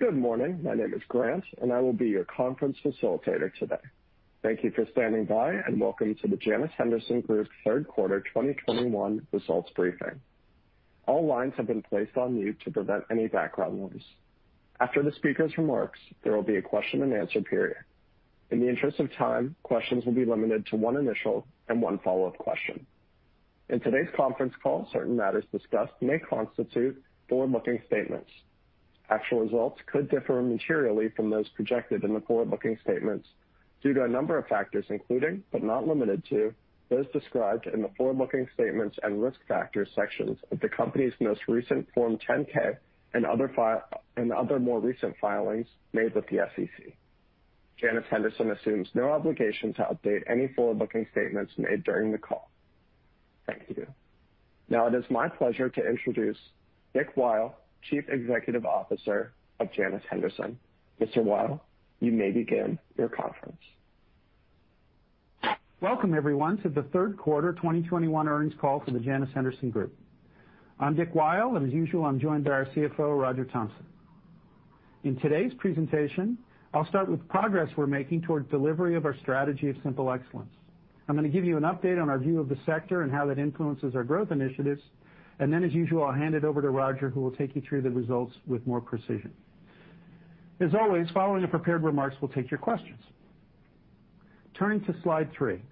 Good morning. My name is Grant, and I will be your conference facilitator today. Thank you for standing by, and welcome to the Janus Henderson Group Q3 2021 results briefing. All lines have been placed on mute to prevent any background noise. After the speaker's remarks, there will be a question-and-answer period. In the interest of time, questions will be limited to one initial and one follow-up question. In today's conference call, certain matters discussed may constitute forward-looking statements. Actual results could differ materially from those projected in the forward-looking statements due to a number of factors, including but not limited to, those described in the forward-looking statements and risk factors sections of the company's most recent Form 10-K and other more recent filings made with the SEC. Janus Henderson assumes no obligation to update any forward-looking statements made during the call. Thank you. Now it is my pleasure to introduce Dick Weil, Chief Executive Officer of Janus Henderson. Mr. Weil, you may begin your conference. Welcome, everyone, to the Q3 2021 Earnings Call for the Janus Henderson Group. I'm Dick Weil, and as usual, I'm joined by our CFO, Roger Thompson. In today's presentation, I'll start with progress we're making toward delivery of our strategy of simple excellence. I'm gonna give you an update on our view of the sector and how that influences our growth initiatives. Then, as usual, I'll hand it over to Roger, who will take you through the results with more precision. As always, following the prepared remarks, we'll take your questions. Turning to slide three.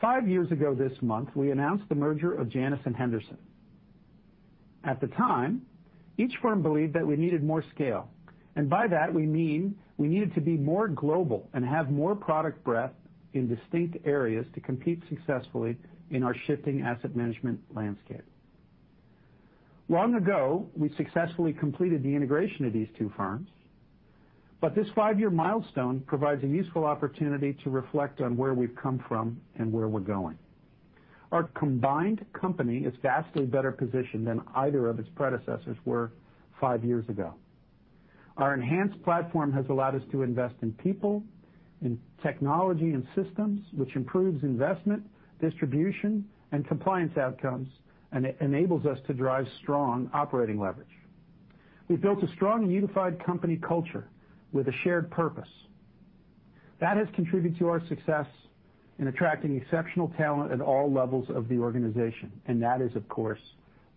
five years ago this month, we announced the merger of Janus and Henderson. At the time, each firm believed that we needed more scale, and by that we mean we needed to be more global and have more product breadth in distinct areas to compete successfully in our shifting asset management landscape. Long ago, we successfully completed the integration of these two firms, but this five-year milestone provides a useful opportunity to reflect on where we've come from and where we're going. Our combined company is vastly better positioned than either of its predecessors were five years ago. Our enhanced platform has allowed us to invest in people, in technology and systems, which improves investment, distribution, and compliance outcomes, and it enables us to drive strong operating leverage. We've built a strong and unified company culture with a shared purpose. That has contributed to our success in attracting exceptional talent at all levels of the organization, and that is, of course,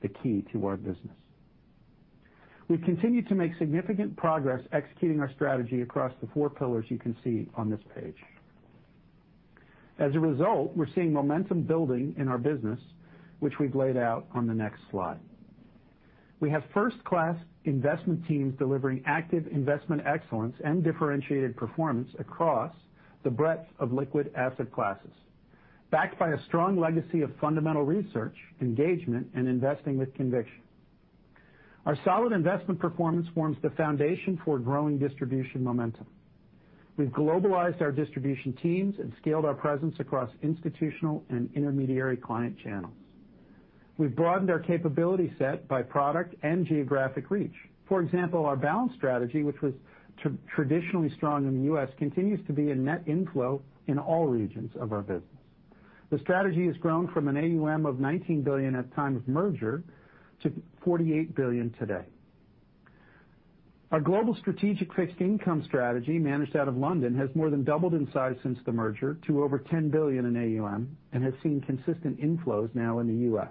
the key to our business. We've continued to make significant progress executing our strategy across the four pillars you can see on this page. As a result, we're seeing momentum building in our business, which we've laid out on the next slide. We have first-class investment teams delivering active investment excellence and differentiated performance across the breadth of liquid asset classes, backed by a strong legacy of fundamental research, engagement, and investing with conviction. Our solid investment performance forms the foundation for growing distribution momentum. We've globalized our distribution teams and scaled our presence across institutional and intermediary client channels. We've broadened our capability set by product and geographic reach. For example, our Balanced strategy, which was traditionally strong in the U.S., continues to be a net inflow in all regions of our business. The strategy has grown from an AUM of $19 billion at time of merger to $48 billion today. Our Global Strategic Fixed Income strategy, managed out of London, has more than doubled in size since the merger to over $10 billion in AUM and has seen consistent inflows now in the U.S.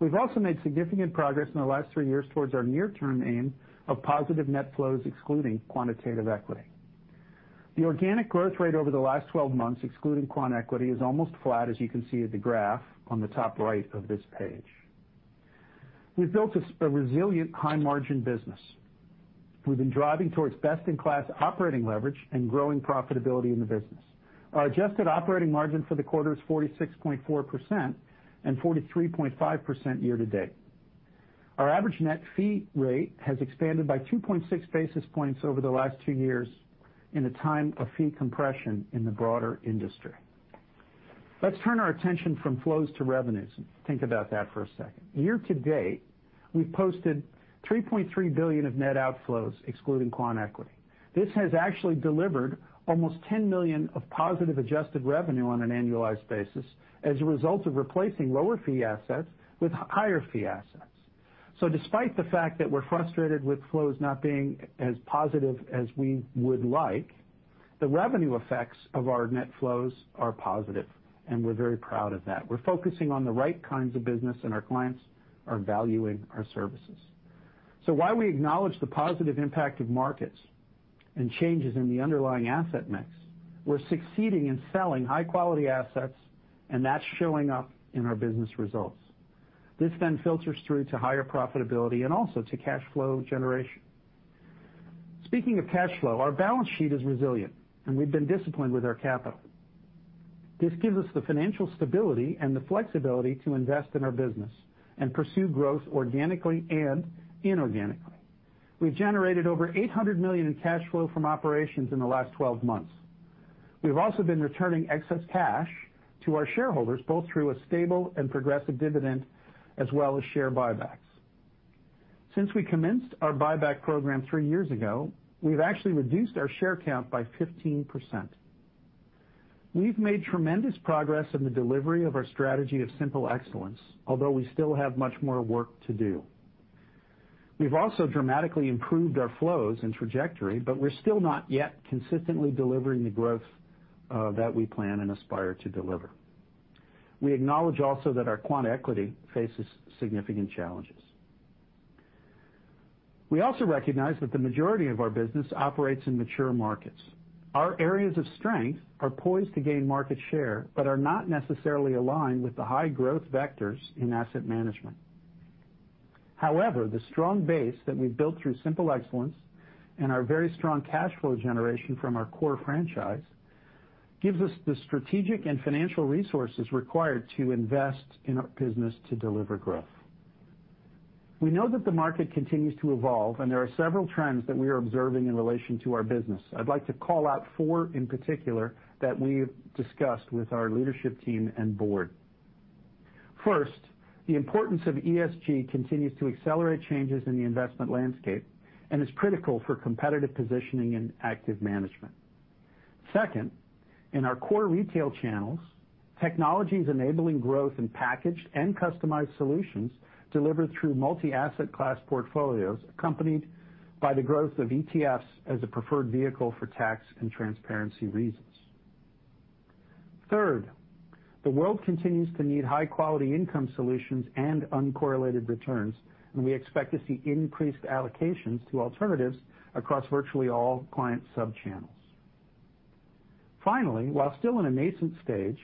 We've also made significant progress in the last three years towards our near-term aim of positive net flows excluding quantitative equity. The organic growth rate over the last 12 months, excluding quant equity, is almost flat, as you can see on the graph on the top right of this page. We've built a resilient high-margin business. We've been driving towards best-in-class operating leverage and growing profitability in the business. Our adjusted operating margin for the quarter is 46.4% and 43.5% year to date. Our average net fee rate has expanded by 2.6 basis points over the last two years in a time of fee compression in the broader industry. Let's turn our attention from flows to revenues and think about that for a second. Year to date, we've posted $3.3 billion of net outflows excluding quant equity. This has actually delivered almost $10 million of positive adjusted revenue on an annualized basis as a result of replacing lower fee assets with higher fee assets. Despite the fact that we're frustrated with flows not being as positive as we would like, the revenue effects of our net flows are positive, and we're very proud of that. We're focusing on the right kinds of business, and our clients are valuing our services. While we acknowledge the positive impact of markets and changes in the underlying asset mix, we're succeeding in selling high-quality assets, and that's showing up in our business results. This then filters through to higher profitability and also to cash flow generation. Speaking of cash flow, our balance sheet is resilient, and we've been disciplined with our capital. This gives us the financial stability and the flexibility to invest in our business and pursue growth organically and inorganically. We've generated over $800 million in cash flow from operations in the last 12 months. We've also been returning excess cash to our shareholders, both through a stable and progressive dividend as well as share buybacks. Since we commenced our buyback program three years ago, we've actually reduced our share count by 15%. We've made tremendous progress in the delivery of our strategy of simple excellence, although we still have much more work to do. We've also dramatically improved our flows and trajectory, but we're still not yet consistently delivering the growth that we plan and aspire to deliver. We acknowledge also that our quant equity faces significant challenges. We also recognize that the majority of our business operates in mature markets. Our areas of strength are poised to gain market share, but are not necessarily aligned with the high growth vectors in asset management. However, the strong base that we've built through simple excellence and our very strong cash flow generation from our core franchise gives us the strategic and financial resources required to invest in our business to deliver growth. We know that the market continues to evolve, and there are several trends that we are observing in relation to our business. I'd like to call out four in particular that we've discussed with our leadership team and board. First, the importance of ESG continues to accelerate changes in the investment landscape and is critical for competitive positioning in active management. Second, in our core retail channels, technology is enabling growth in packaged and customized solutions delivered through multi-asset class portfolios, accompanied by the growth of ETFs as a preferred vehicle for tax and transparency reasons. Third, the world continues to need high-quality income solutions and uncorrelated returns, and we expect to see increased allocations to alternatives across virtually all client sub-channels. Finally, while still in a nascent stage,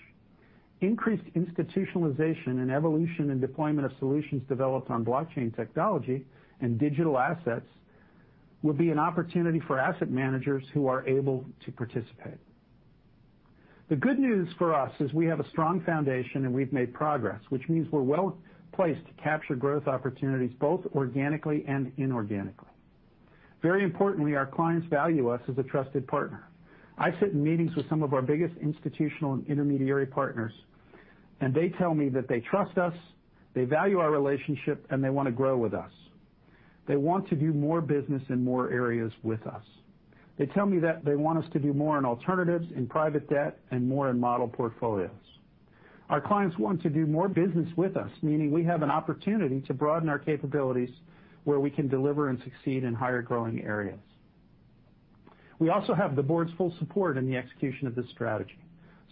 increased institutionalization and evolution and deployment of solutions developed on blockchain technology and digital assets will be an opportunity for asset managers who are able to participate. The good news for us is we have a strong foundation, and we've made progress, which means we're well-placed to capture growth opportunities both organically and inorganically. Very importantly, our clients value us as a trusted partner. I sit in meetings with some of our biggest institutional and intermediary partners, and they tell me that they trust us, they value our relationship, and they wanna grow with us. They want to do more business in more areas with us. They tell me that they want us to do more in alternatives, in private debt, and more in model portfolios. Our clients want to do more business with us, meaning we have an opportunity to broaden our capabilities where we can deliver and succeed in higher-growing areas. We also have the board's full support in the execution of this strategy,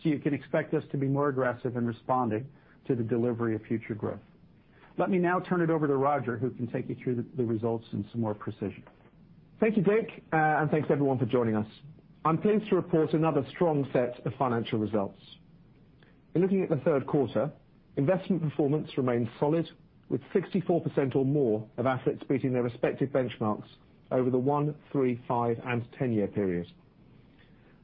so you can expect us to be more aggressive in responding to the delivery of future growth. Let me now turn it over to Roger, who can take you through the results in some more precision. Thank you, Dick, and thanks everyone for joining us. I'm pleased to report another strong set of financial results. In looking at the Q3, investment performance remained solid, with 64% or more of assets beating their respective benchmarks over the one-, three-, five-, and 10-year periods.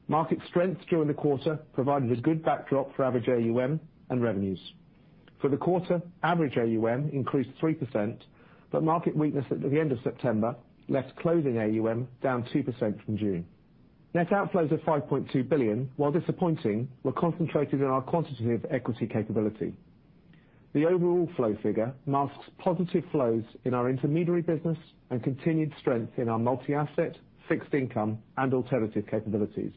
Market strength during the quarter provided a good backdrop for average AUM and revenues. For the quarter, average AUM increased 3%, but market weakness at the end of September left closing AUM down 2% from June. Net outflows of $5.2 billion, while disappointing, were concentrated in our quantitative equity capability. The overall flow figure masks positive flows in our intermediary business and continued strength in our multi-asset, fixed income, and alternative capabilities.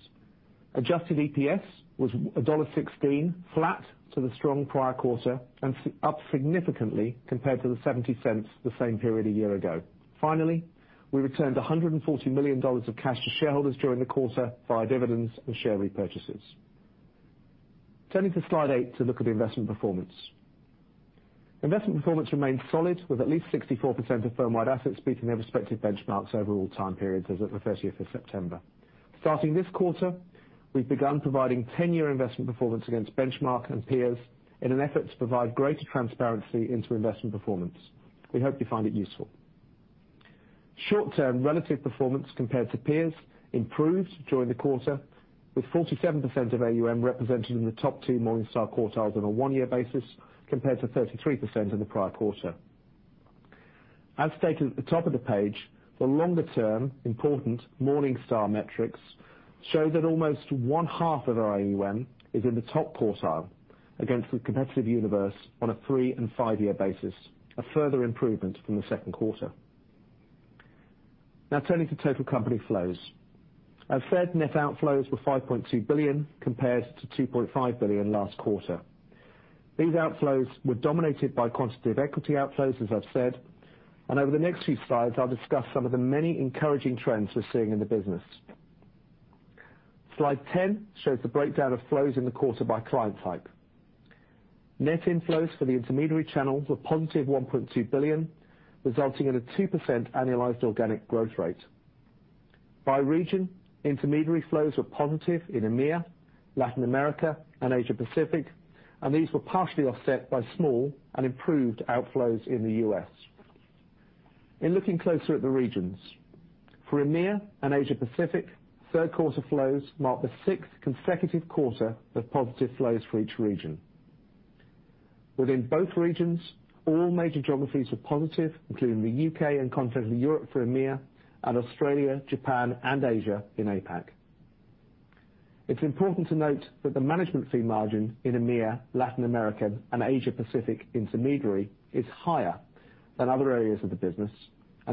Adjusted EPS was $1.16, flat to the strong prior quarter and up significantly compared to the $0.70 the same period a year ago. Finally, we returned $140 million of cash to shareholders during the quarter via dividends and share repurchases. Turning to slide 8 to look at investment performance. Investment performance remained solid, with at least 64% of firm-wide assets beating their respective benchmarks over all time periods as at the 30th of September. Starting this quarter, we've begun providing 10-year investment performance against benchmark and peers in an effort to provide greater transparency into investment performance. We hope you find it useful. Short-term relative performance compared to peers improved during the quarter, with 47% of AUM represented in the top two Morningstar quartiles on a one-year basis compared to 33% in the prior quarter. As stated at the top of the page, the longer-term important Morningstar metrics show that almost one-half of our AUM is in the top quartile against the competitive universe on a three- and five-year basis, a further improvement from the Q2. Now turning to total company flows. As said, net outflows were $5.2 billion, compared to $2.5 billion last quarter. These outflows were dominated by quantitative equity outflows, as I've said, and over the next few slides, I'll discuss some of the many encouraging trends we're seeing in the business. Slide 10 shows the breakdown of flows in the quarter by client type. Net inflows for the intermediary channels were positive $1.2 billion, resulting in a 2% annualized organic growth rate. By region, intermediary flows were positive in EMEA, Latin America, and Asia-Pacific, and these were partially offset by small and improved outflows in the U.S. In looking closer at the regions, for EMEA and Asia-Pacific, Q3 flows mark the sixth consecutive quarter of positive flows for each region. Within both regions, all major geographies were positive, including the U.K. and Continental Europe for EMEA, and Australia, Japan, and Asia in APAC. It's important to note that the management fee margin in EMEA, Latin America, and Asia-Pacific intermediary is higher than other areas of the business.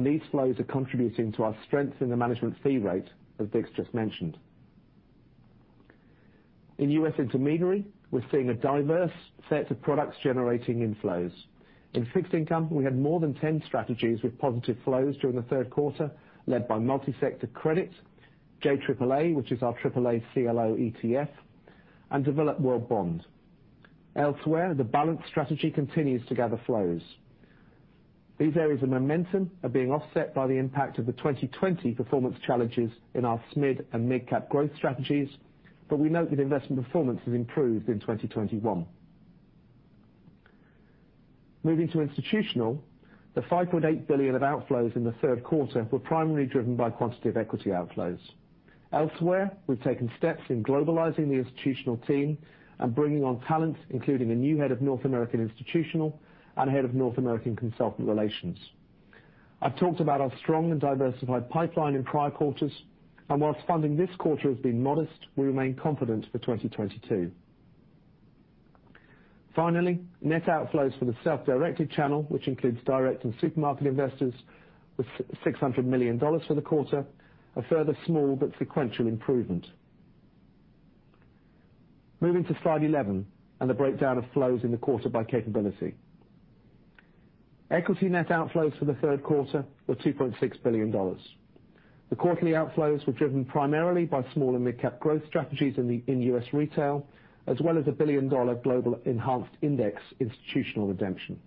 These flows are contributing to our strength in the management fee rate, as Dick's just mentioned. In U.S. intermediary, we're seeing a diverse set of products generating inflows. In fixed income, we had more than 10 strategies with positive flows during the Q3, led by Multi-Sector Credit, JAAA, which is our AAA CLO ETF, and Developed World Bond. Elsewhere, the Balanced strategy continues to gather flows. These areas of momentum are being offset by the impact of the 2020 performance challenges in our SMID and Mid Cap Growth strategies, but we note that investment performance has improved in 2021. Moving to institutional, the $5.8 billion of outflows in the Q3 were primarily driven by quantitative equity outflows. Elsewhere, we've taken steps in globalizing the institutional team and bringing on talent, including a new head of North American institutional and head of North American consultant relations. I've talked about our strong and diversified pipeline in prior quarters, and while funding this quarter has been modest, we remain confident for 2022. Finally, net outflows for the self-directed channel, which includes direct and supermarket investors, with $600 million for the quarter, a further small but sequential improvement. Moving to slide 11 and the breakdown of flows in the quarter by capability. Equity net outflows for the Q3 were $2.6 billion. The quarterly outflows were driven primarily by small and midcap growth strategies in U.S. retail, as well as a $1 billion global enhanced index institutional redemption.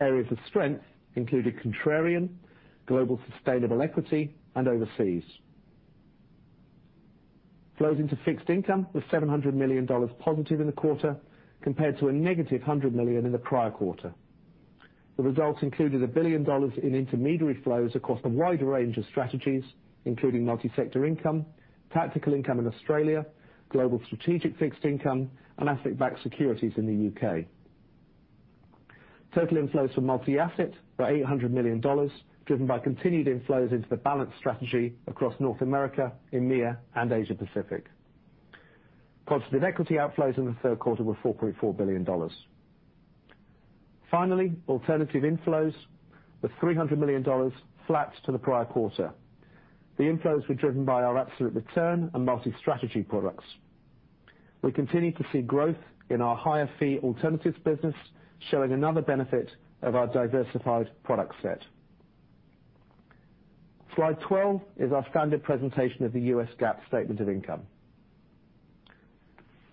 Areas of strength included contrarian, global sustainable equity, and overseas. Flows into fixed income were $700 million positive in the quarter compared to -$100 million in the prior quarter. The results included $1 billion in intermediary flows across a wider range of strategies, including multi-sector income, tactical income in Australia, global strategic fixed income, and asset-backed securities in the U.K. Total inflows for multi-asset were $800 million, driven by continued inflows into the balanced strategy across North America, EMEA, and Asia Pacific. Quantitative equity outflows in the Q3 were $4.4 billion. Finally, alternative inflows were $300 million, flat to the prior quarter. The inflows were driven by our absolute return and multi-strategy products. We continue to see growth in our higher fee alternatives business, showing another benefit of our diversified product set. Slide 12 is our standard presentation of the U.S. GAAP statement of income.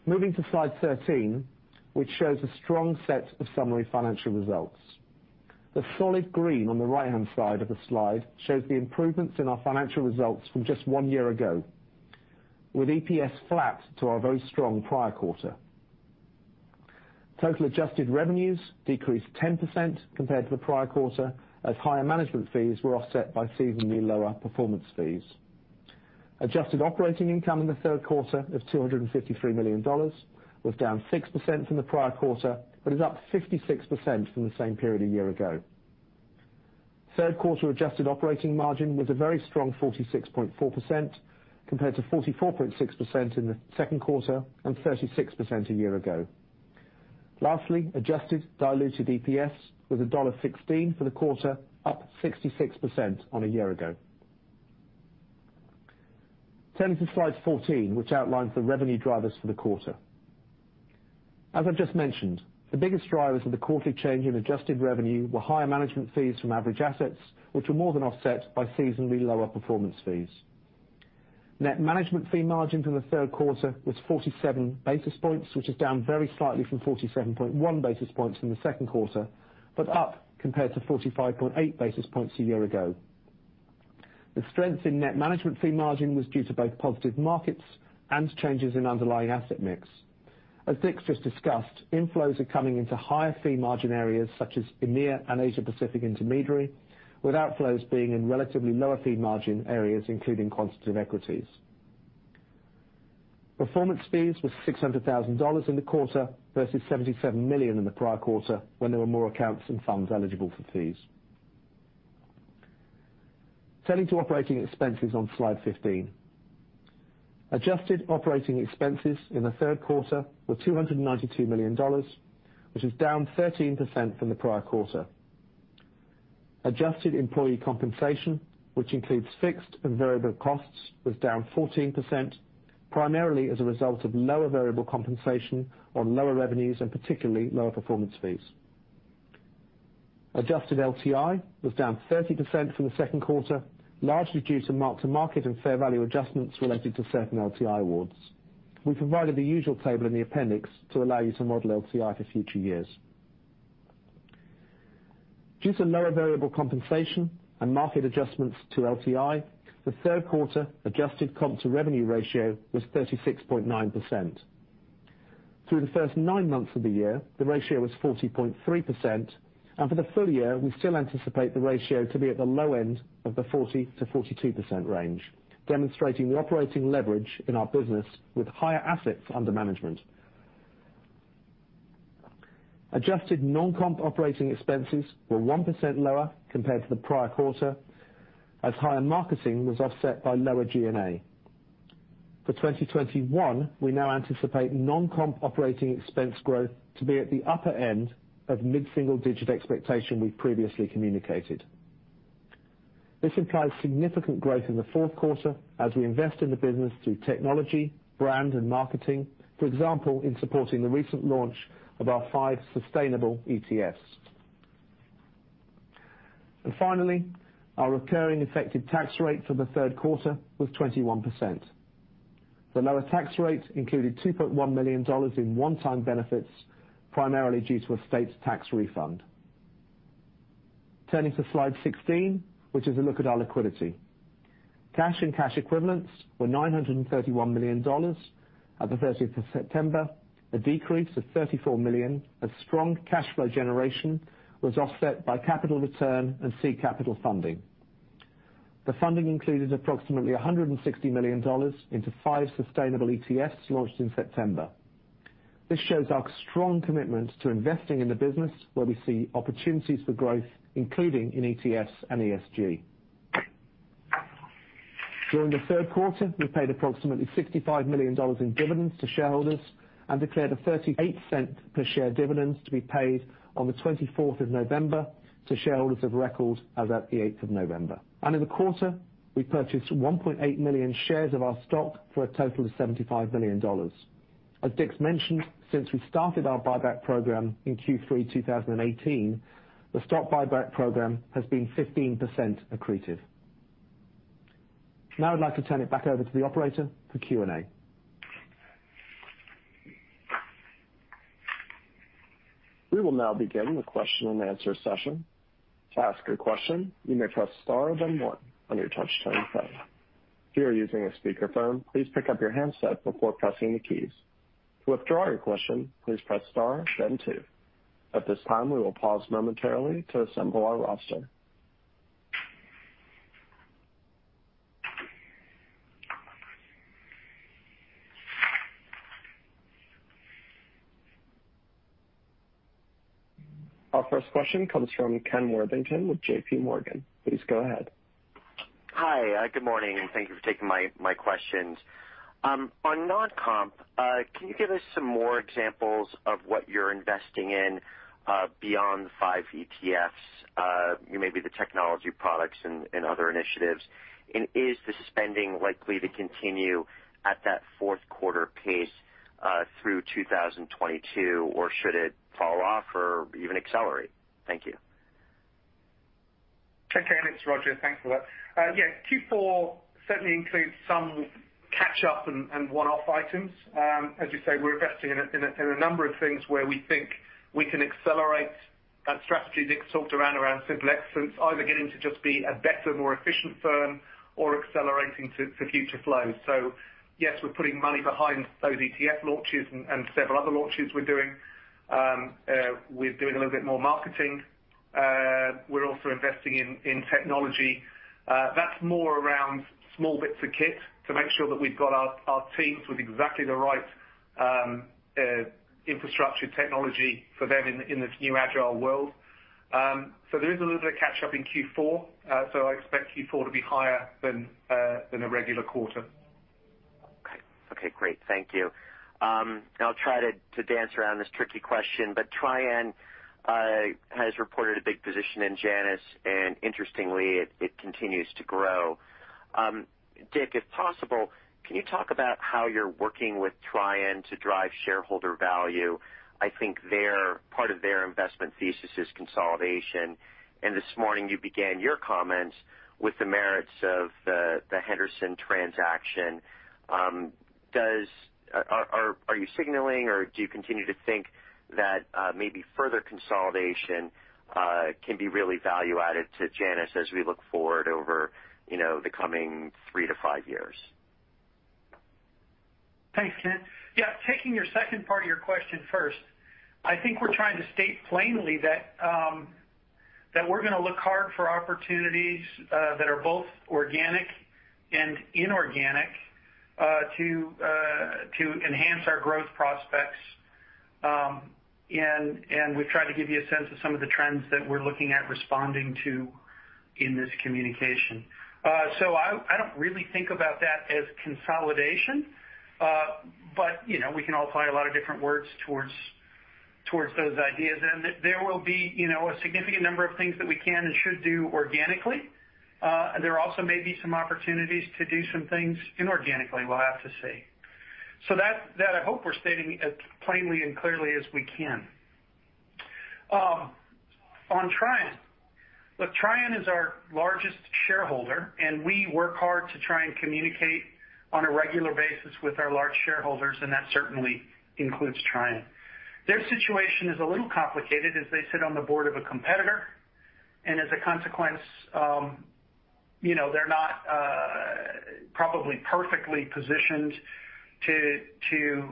Moving to slide 13, which shows a strong set of summary financial results. The solid green on the right-hand side of the slide shows the improvements in our financial results from just one year ago, with EPS flat to our very strong prior quarter. Total adjusted revenues decreased 10% compared to the prior quarter, as higher management fees were offset by seasonally lower performance fees. Adjusted operating income in the Q3 is $253 million, was down 6% from the prior quarter, but is up 56% from the same period a year ago. Q3 adjusted operating margin was a very strong 46.4% compared to 44.6% in the Q2 and 36% a year ago. Lastly, adjusted diluted EPS was $1.16 for the quarter, up 66% on a year ago. Turning to slide 14, which outlines the revenue drivers for the quarter. As I've just mentioned, the biggest drivers of the quarterly change in adjusted revenue were higher management fees from average assets, which were more than offset by seasonally lower performance fees. Net management fee margin for the Q3 was 47 basis points, which is down very slightly from 47.1 basis points in the Q2, but up compared to 45.8 basis points a year ago. The strength in net management fee margin was due to both positive markets and changes in underlying asset mix. As Dick's just discussed, inflows are coming into higher fee margin areas such as EMEA and Asia Pacific intermediary, with outflows being in relatively lower fee margin areas, including quantitative equities. Performance fees were $600,000 in the quarter versus $77 million in the prior quarter, when there were more accounts and funds eligible for fees. Turning to operating expenses on Slide 15. Adjusted operating expenses in the Q3 were $292 million, which is down 13% from the prior quarter. Adjusted employee compensation, which includes fixed and variable costs, was down 14%, primarily as a result of lower variable compensation on lower revenues and particularly lower performance fees. Adjusted LTI was down 30% from the Q2, largely due to mark-to-market and fair value adjustments related to certain LTI awards. We provided the usual table in the appendix to allow you to model LTI for future years. Due to lower variable compensation and market adjustments to LTI, the Q3 adjusted comp-to-revenue ratio was 36.9%. Through the first nine months of the year, the ratio was 40.3, and for the full year, we still anticipate the ratio to be at the low end of the 40%-42% range, demonstrating the operating leverage in our business with higher assets under management. Adjusted non-comp operating expenses were 1% lower compared to the prior quarter, as higher marketing was offset by lower G&A. For 2021, we now anticipate non-comp operating expense growth to be at the upper end of mid-single-digit expectation we previously communicated. This implies significant growth in the Q4 as we invest in the business through technology, brand and marketing, for example, in supporting the recent launch of our five sustainable ETFs. Finally, our recurring effective tax rate for the Q3 was 21%. The lower tax rate included $2.1 million in one-time benefits, primarily due to a state tax refund. Turning to slide 16, which is a look at our liquidity. Cash and cash equivalents were $931 million at the 13th of September, a decrease of $34 million. A strong cash flow generation was offset by capital return and seed capital funding. The funding included approximately $160 million into five sustainable ETFs launched in September. This shows our strong commitment to investing in the business where we see opportunities for growth, including in ETFs and ESG. During the Q3, we paid approximately $65 million in dividends to shareholders and declared a $0.38 per share dividend to be paid on the 24th of November to shareholders of record as at the eighth of November. In the quarter, we purchased 1.8 million shares of our stock for a total of $75 million. As Dick mentioned, since we started our buyback program in Q3 2018, the stock buyback program has been 15% accretive. Now I'd like to turn it back over to the operator for Q&A. We will now begin the question-and-answer session. To ask a question, you may press star then one on your touch-tone phone. If you are using a speakerphone, please pick up your handset before pressing the keys. To withdraw your question, please press star then two. At this time, we will pause momentarily to assemble our roster. Our first question comes from Ken Worthington with JP Morgan. Please go ahead. Hi. Good morning, and thank you for taking my questions. On non-comp, can you give us some more examples of what you're investing in, beyond five ETFs, maybe the technology products and other initiatives? Is the spending likely to continue at that Q4 pace, through 2022? Or should it fall off or even accelerate? Thank you. Okay, it's Roger. Thanks for that. Yeah, Q4 certainly includes some catch up and one-off items. As you say, we're investing in a number of things where we think we can accelerate that strategy Dick talked around simple excellence, either getting to just be a better, more efficient firm or accelerating to future flows. Yes, we're putting money behind those ETF launches and several other launches we're doing. We're doing a little bit more marketing. We're also investing in technology. That's more around small bits of kit to make sure that we've got our teams with exactly the right infrastructure technology for them in this new agile world. There is a little bit of catch up in Q4. I expect Q4 to be higher than a regular quarter. Okay. Okay, great. Thank you. I'll try to dance around this tricky question, but Trian has reported a big position in Janus, and interestingly, it continues to grow. Dick, if possible, can you talk about how you're working with Trian to drive shareholder value? I think their part of their investment thesis is consolidation. This morning you began your comments with the merits of the Henderson transaction. Are you signaling, or do you continue to think that maybe further consolidation can be really value added to Janus as we look forward over, you know, the coming three to five years? Thanks, Ken. Yeah, taking your second part of your question first, I think we're trying to state plainly that we're gonna look hard for opportunities that are both organic and inorganic to enhance our growth prospects. We've tried to give you a sense of some of the trends that we're looking at responding to in this communication. I don't really think about that as consolidation, but you know, we can all apply a lot of different words towards those ideas. There will be a significant number of things that we can and should do organically. There also may be some opportunities to do some things inorganically. We'll have to see. I hope we're stating as plainly and clearly as we can. On Trian. Look, Trian is our largest shareholder, and we work hard to try and communicate on a regular basis with our large shareholders, and that certainly includes Trian. Their situation is a little complicated as they sit on the board of a competitor. As a consequence, you know, they're not probably perfectly positioned to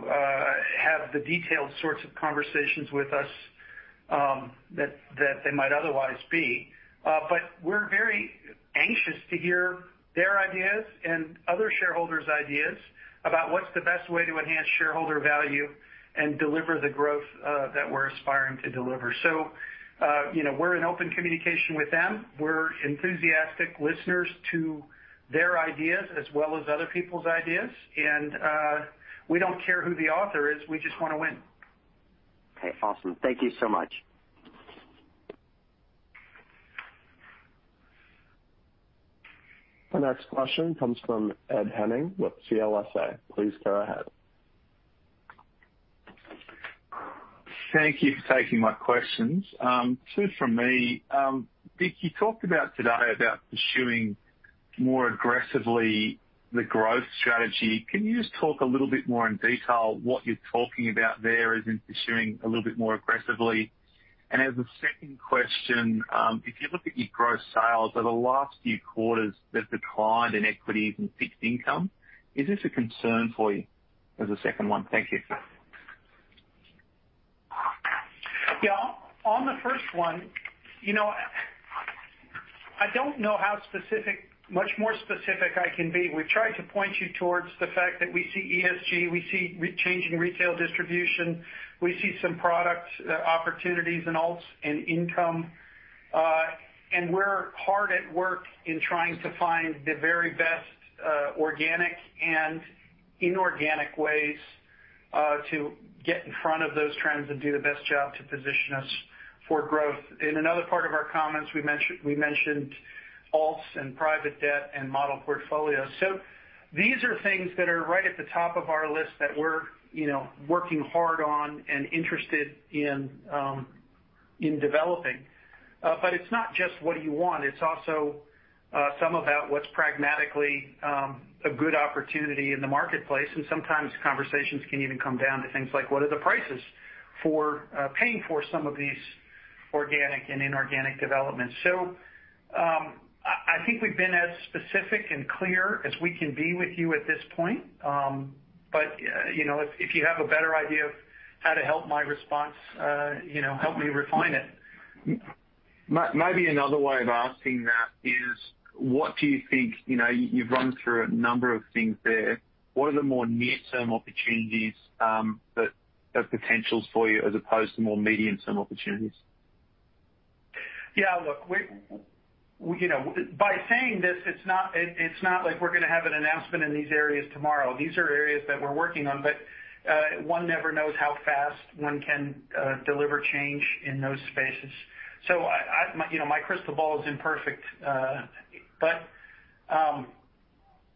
have the detailed sorts of conversations with us, that they might otherwise be. But we're very anxious to hear their ideas and other shareholders' ideas about what's the best way to enhance shareholder value and deliver the growth, that we're aspiring to deliver. You know, we're in open communication with them. We're enthusiastic listeners to their ideas as well as other people's ideas. We don't care who the author is, we just wanna win. Okay, awesome. Thank you so much. The next question comes from Ed Henning with CLSA. Please go ahead. Thank you for taking my questions. Two from me. Dick, you talked about today about pursuing more aggressively the growth strategy. Can you just talk a little bit more in detail what you're talking about there as in pursuing a little bit more aggressively? As a second question, if you look at your gross sales over the last few quarters, they've declined in equities and fixed income. Is this a concern for you as a second one? Thank you. Yeah. On the first one, you know, I don't know how much more specific I can be. We've tried to point you towards the fact that we see ESG, we see re-channeling retail distribution, we see some product opportunities in alts and income. And we're hard at work in trying to find the very best, organic and inorganic ways, to get in front of those trends and do the best job to position us for growth. In another part of our comments, we mentioned alts and private debt and model portfolios. These are things that are right at the top of our list that we're, you know, working hard on and interested in developing. But it's not just what you want. It's also, something about what's pragmatically, a good opportunity in the marketplace. Sometimes conversations can even come down to things like what are the prices for paying for some of these organic and inorganic developments. I think we've been as specific and clear as we can be with you at this point. You know, if you have a better idea of how to help my response, you know, help me refine it. Maybe another way of asking that is, what do you think? You know, you've run through a number of things there. What are the more near-term opportunities that have potentials for you as opposed to more medium-term opportunities? Yeah. Look, we, you know, by saying this, it's not like we're gonna have an announcement in these areas tomorrow. These are areas that we're working on, but one never knows how fast one can deliver change in those spaces. You know, my crystal ball is imperfect, but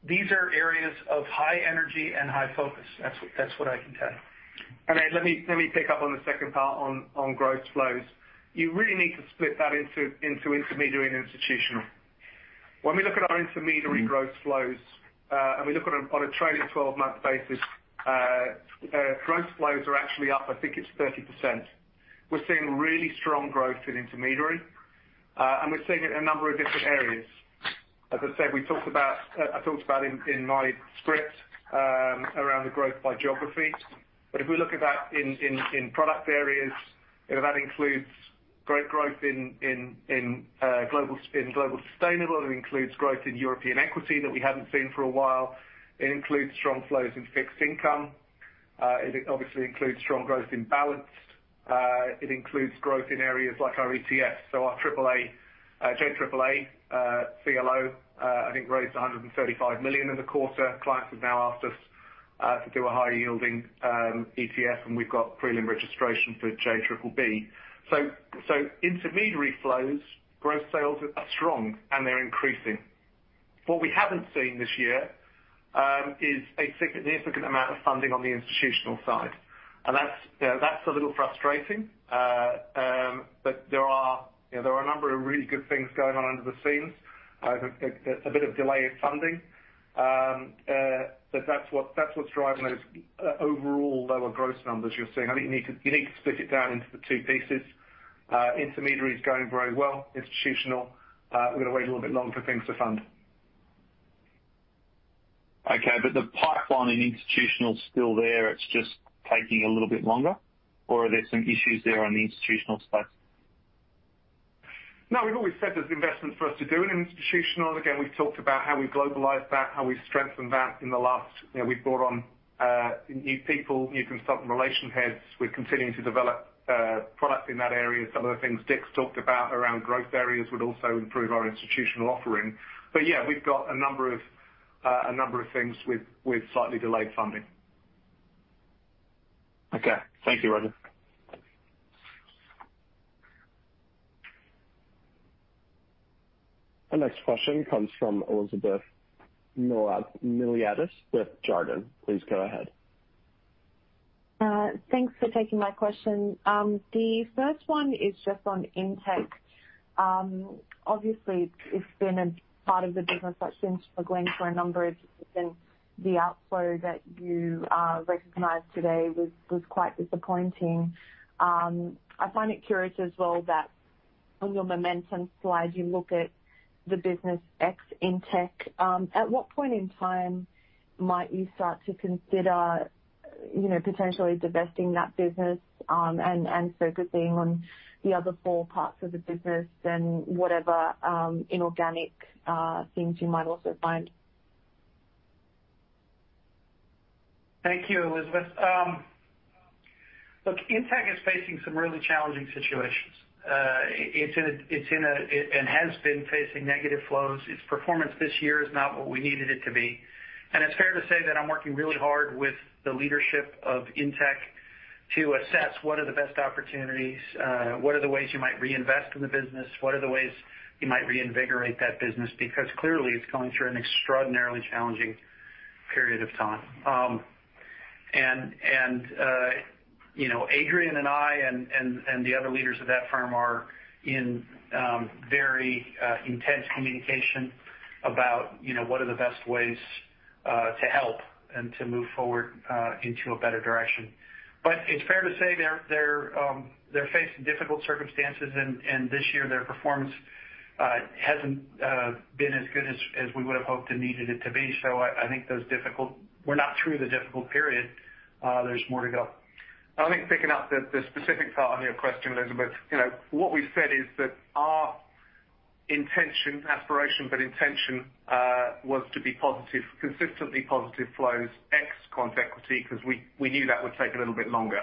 these are areas of high energy and high focus. That's what I can tell you. Let me pick up on the second part on growth flows. You really need to split that into intermediary and institutional. When we look at our intermediary growth flows, and we look at them on a trailing twelve-month basis, growth flows are actually up, I think it's 30%. We're seeing really strong growth in intermediary, and we're seeing it in a number of different areas. As I said, I talked about in my script around the growth by geography. But if we look at that in product areas, you know, that includes great growth in global sustainable. It includes growth in European Equity that we haven't seen for a while. It includes strong flows in fixed income. It obviously includes strong growth in Balanced. It includes growth in areas like our ETFs. Our AAA JAAA CLO I think raised $135 million in the quarter. Clients have now asked us to do a high-yielding ETF, and we've got prelim registration for JBBB. Intermediary flows, gross sales are strong, and they're increasing. What we haven't seen this year is a significant amount of funding on the institutional side. That's, you know, a little frustrating. There are, you know, a number of really good things going on behind the scenes. A bit of delay in funding, but that's what's driving those overall lower gross numbers you're seeing. I think you need to split it down into the two pieces. Intermediary is going very well. Institutional, we're gonna wait a little bit longer for things to fund. Okay. The pipeline in institutional is still there, it's just taking a little bit longer? Or are there some issues there on the institutional space? No, we've always said there's investment for us to do in institutional. Again, we've talked about how we globalized that, how we strengthened that in the last. You know, we've brought on new people, new consultant relations heads. We're continuing to develop products in that area. Some of the things Dick's talked about around growth areas would also improve our institutional offering. But yeah, we've got a number of things with slightly delayed funding. Okay. Thank you, Roger. Our next question comes from Elizabeth Miliatis with Jarden. Please go ahead. Thanks for taking my question. The first one is just on Intech. Obviously it's been a part of the business that's been struggling for a number of years, and the outflow that you recognized today was quite disappointing. I find it curious as well that on your momentum slide, you look at the business ex Intech. At what point in time might you start to consider, you know, potentially divesting that business, and focusing on the other four parts of the business and whatever inorganic things you might also find? Thank you, Elizabeth. Look, Intech is facing some really challenging situations. It has been facing negative flows. Its performance this year is not what we needed it to be. It's fair to say that I'm working really hard with the leadership of Intech to assess what are the best opportunities, what are the ways you might reinvest in the business, what are the ways you might reinvigorate that business, because clearly it's going through an extraordinarily challenging period of time. You know, Adrian and I and the other leaders of that firm are in very intense communication about, you know, what are the best ways to help and to move forward into a better direction. It's fair to say they're facing difficult circumstances and this year, their performance hasn't been as good as we would have hoped and needed it to be. I think we're not through the difficult period, there's more to go. I think picking up the specific part of your question, Elizabeth, you know, what we said is that our intention, aspiration, but intention, was to be positive, consistently positive flows, ex quant equity, 'cause we knew that would take a little bit longer.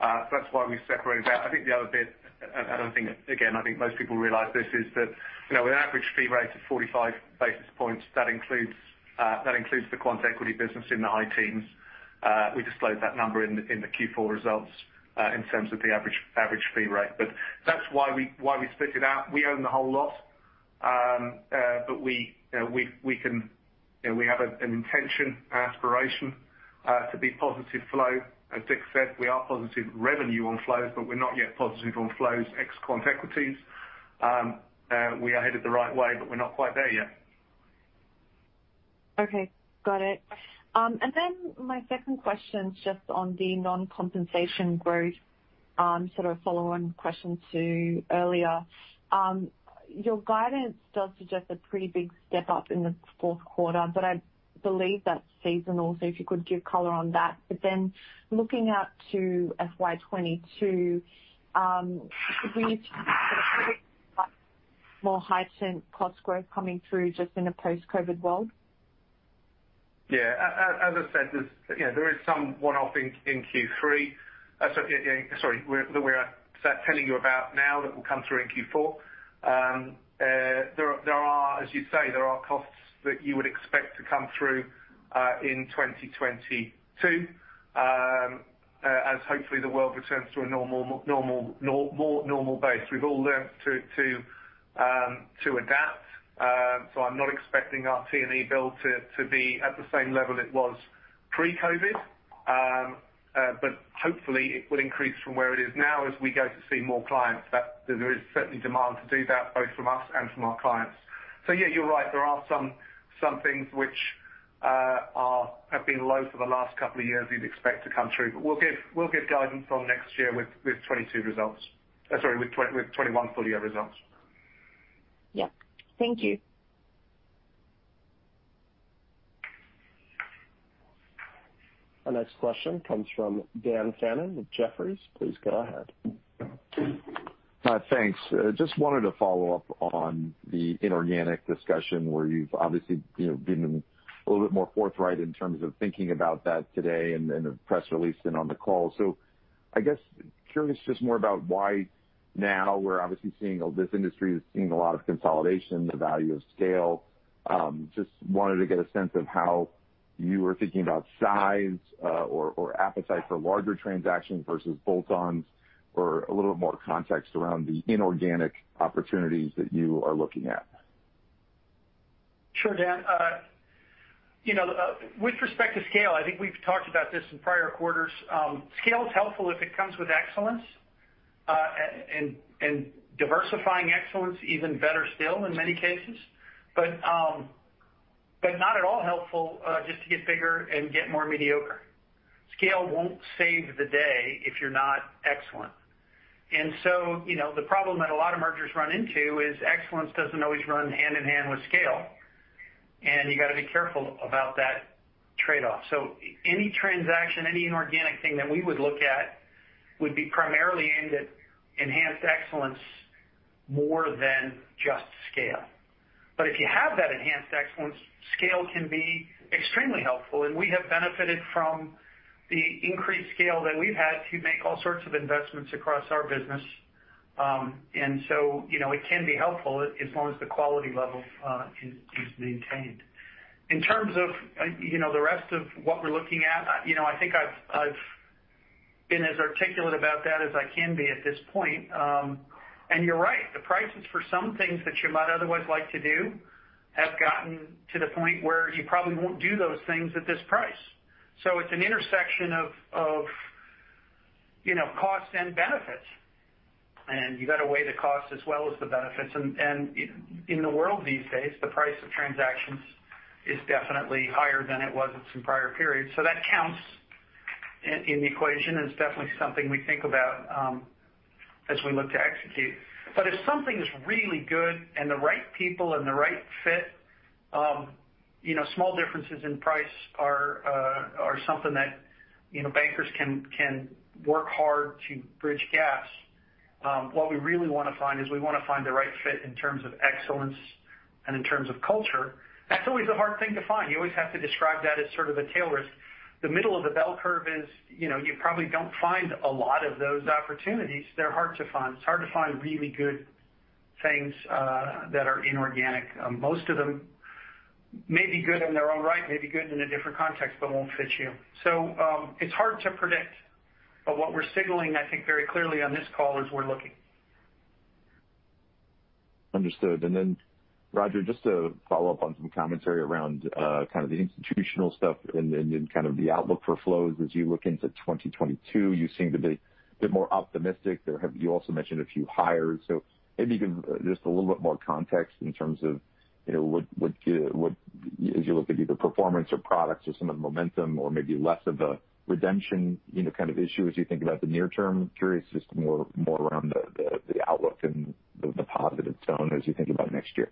That's why we separated it out. I think the other bit, and I think, again, most people realize this, is that, you know, an average fee rate of 45 basis points, that includes the quant equity business in the high teens. We disclosed that number in the Q4 results, in terms of the average fee rate. But that's why we split it out. We own the whole lot, but we, you know, we can. You know, we have an intention, aspiration, to be positive flow. As Dick said, we have positive revenue on flows, but we're not yet positive on flows, ex quant equities. We are headed the right way, but we're not quite there yet. Okay, got it. My second question is just on the non-compensation growth, sort of follow-on question to earlier. Your guidance does suggest a pretty big step up in the Q4, but I believe that's seasonal, so if you could give color on that. Looking out to FY 2022, should we expect more heightened cost growth coming through just in a post-COVID world? As I said, there's you know there is some one-off in Q3. So sorry that we're telling you about now that will come through in Q4. There are as you say there are costs that you would expect to come through in 2022 as hopefully the world returns to a more normal base. We've all learned to adapt. I'm not expecting our T&E bill to be at the same level it was pre-COVID. But hopefully it will increase from where it is now as we go to see more clients that there is certainly demand to do that both from us and from our clients. Yeah, you're right, there are some things which have been low for the last couple of years you'd expect to come through. We'll give guidance on next year with 2022 results. Sorry, with 2021 full year results. Yeah. Thank you. Our next question comes from Dan Fannon with Jefferies. Please go ahead. Thanks. Just wanted to follow up on the inorganic discussion where you've obviously, you know, been a little bit more forthright in terms of thinking about that today and in the press release and on the call. I guess curious just more about why now, we're obviously seeing this industry is seeing a lot of consolidation, the value of scale. Just wanted to get a sense of how you are thinking about size, or appetite for larger transactions versus bolt-ons or a little bit more context around the inorganic opportunities that you are looking at. Sure, Dan. You know, with respect to scale, I think we've talked about this in prior quarters. Scale is helpful if it comes with excellence, and diversifying excellence even better still in many cases. But not at all helpful, just to get bigger and get more mediocre. Scale won't save the day if you're not excellent. You know, the problem that a lot of mergers run into is excellence doesn't always run hand in hand with scale, and you got to be careful about that trade-off. Any transaction, any inorganic thing that we would look at would be primarily aimed at enhanced excellence more than just scale. But if you have that enhanced excellence, scale can be extremely helpful. We have benefited from the increased scale that we've had to make all sorts of investments across our business. You know, it can be helpful as long as the quality level is maintained. In terms of, you know, the rest of what we're looking at, you know, I think I've been as articulate about that as I can be at this point. You're right, the prices for some things that you might otherwise like to do have gotten to the point where you probably won't do those things at this price. It's an intersection of, you know, costs and benefits, and you got to weigh the costs as well as the benefits. In the world these days, the price of transactions is definitely higher than it was in some prior periods. That counts in the equation, and it's definitely something we think about as we look to execute. If something's really good and the right people and the right fit, you know, small differences in price are something that you know, bankers can work hard to bridge gaps. What we really wanna find is we wanna find the right fit in terms of excellence and in terms of culture. That's always a hard thing to find. You always have to describe that as sort of a tail risk. The middle of the bell curve is, you know, you probably don't find a lot of those opportunities. They're hard to find. It's hard to find really good things that are inorganic. Most of them may be good in their own right, may be good in a different context, but won't fit you. It's hard to predict, but what we're signaling, I think very clearly on this call, is we're looking. Understood. Then, Roger, just to follow up on some commentary around kind of the institutional stuff and kind of the outlook for flows as you look into 2022, you seem to be a bit more optimistic there. You also mentioned a few hires. Maybe you can just a little bit more context in terms of, you know, what, as you look at either performance or products or some of the momentum or maybe less of a redemption, you know, kind of issue as you think about the near term. Curious just more around the outlook and the positive zone as you think about next year.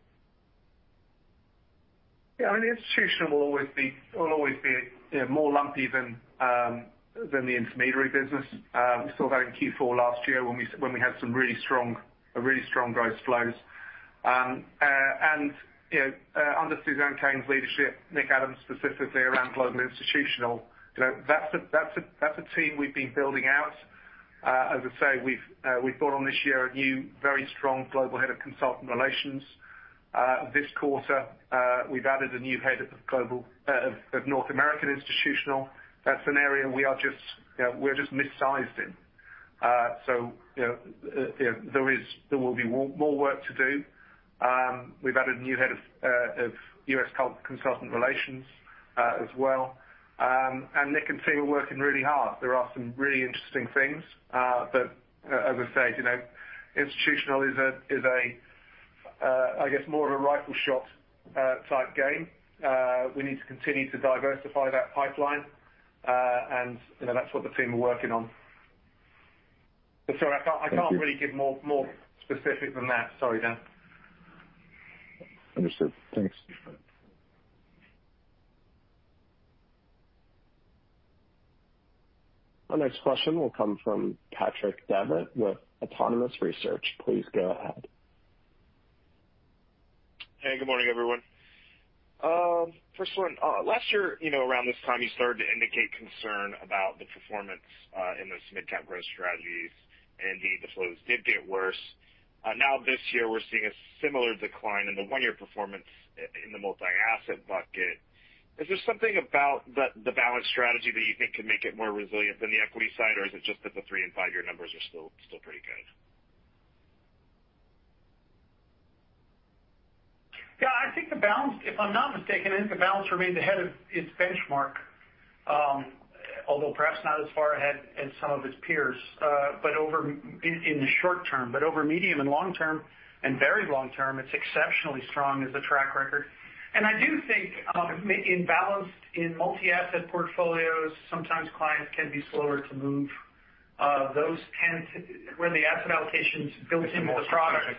Yeah, I mean, institutional will always be, you know, more lumpy than the intermediary business. We saw that in Q4 last year when we had some really strong growth flows. And, you know, under Suzanne Cain's leadership, Nick Adams specifically around global institutional, you know, that's a team we've been building out. As I say, we've brought on this year a new, very strong global head of consultant relations. This quarter, we've added a new head of global, of North American institutional. That's an area we are just, you know, we're just mis-sized in. So, you know, you know, there will be more work to do. We've added a new head of US consultant relations, as well. Nick and team are working really hard. There are some really interesting things, but as I say, you know, institutional is a, I guess, more of a rifle shot type game. We need to continue to diversify that pipeline, you know, that's what the team are working on. Sorry, I can't really get more specific than that. Sorry, Dan. Understood. Thanks. Our next question will come from Patrick Davitt with Autonomous Research. Please go ahead. Hey, good morning, everyone. First one, last year, you know, around this time, you started to indicate concern about the performance in those Mid Cap Growth strategies. Indeed, the flows did get worse. Now this year, we're seeing a similar decline in the one-year performance in the multi-asset bucket. Is there something about the Balanced strategy that you think can make it more resilient than the equity side? Or is it just that the three and five-year numbers are still pretty good? I think the Balanced—if I'm not mistaken, I think the Balanced remains ahead of its benchmark, although perhaps not as far ahead as some of its peers, but over medium and long term and very long term, it's exceptionally strong as a track record. I do think in Balanced, in multi-asset portfolios, sometimes clients can be slower to move. Those tend to where the asset allocation is built into the product. Yeah.